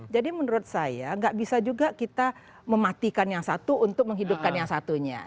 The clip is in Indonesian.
jadi menurut saya nggak bisa juga kita mematikan yang satu untuk menghidupkan yang satunya